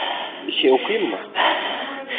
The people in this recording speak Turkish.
Bir şey okuyayım mı?